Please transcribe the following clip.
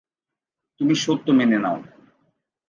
তুমি সত্য মেনে নাও।